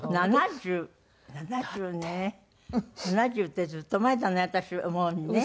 ７０ってずっと前だね私思うにね。